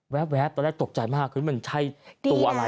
ตอนแรกตกใจมากมันใช่ตัวอะไร